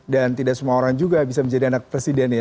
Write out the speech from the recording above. dan tidak semua orang juga bisa menjadi anak presiden ya